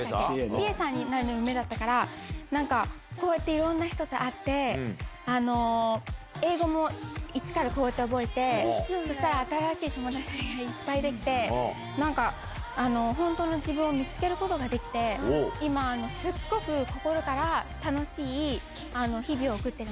ＣＡさんになるのが夢だったから、なんか、こうやっていろんな人と会って、英語も一からこうやって覚えて、そしたら新しい友達がいっぱいできて、なんか、本当の自分を見つけることができて、今、すっごく心から楽しい日々を送っているの。